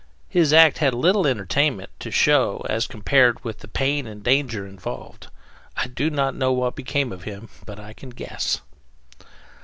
His act had little entertainment to show as compared with the pain and danger involved. I do not know what became of him, but I can guess.